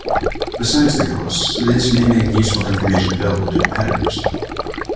Besides the cost, this may make useful information available to competitors.